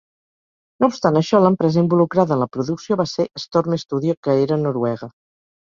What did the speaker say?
No obstant això, l'empresa involucrada en la producció va ser Storm Studio, que era noruega.